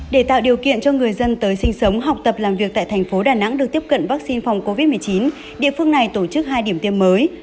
để tạo điều kiện cho người dân tới sinh sống học tập làm việc tại thành phố đà nẵng được tiếp cận vaccine phòng covid một mươi chín địa phương này tổ chức hai điểm tiêm mới